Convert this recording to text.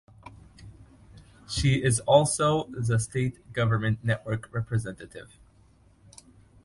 She is also the State Government Network Representative.